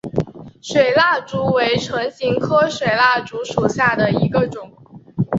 水蜡烛为唇形科水蜡烛属下的一个种。